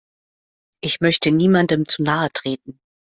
Ich möchte niemandem zu nahe treten.